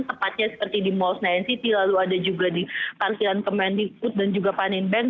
tepatnya seperti di malls nyan city lalu ada juga di parkiran kemendi food dan juga panin bank